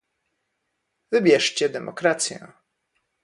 wybierzcie demokrację